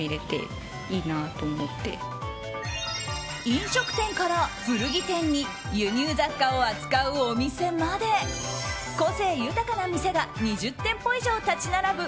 飲食店から古着店に輸入雑貨を扱うお店まで個性豊かな店が２０店舗以上立ち並ぶ